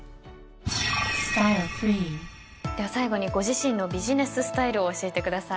では最後にご自身のビジネススタイルを教えてください。